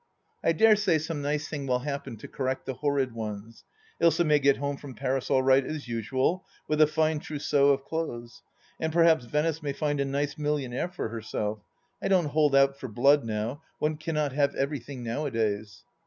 I dare say some nice thing will happen to correct the horrid ones. Ilsa may get home from Paris all right as usual, with a fine trousseau of clothes ; and perhaps Venice may find a nice millionaire for herself — ^I don't hold out for blood now ; one cannot have everything nowadays.